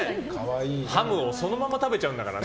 ハムをそのまま食べちゃうんだから。